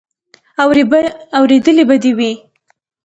اورېدلې به دې وي.